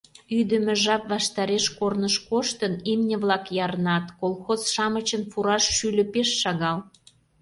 Ӱдымӧ жап ваштареш корныш коштын, имне-влак ярнат, колхоз-шамычын фураж шӱльӧ пеш шагал.